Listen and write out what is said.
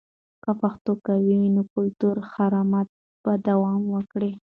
که پښتو قوي وي، نو کلتوري حرمت به دوام وکړي.